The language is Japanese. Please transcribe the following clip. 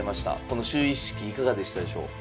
この就位式いかがでしたでしょう？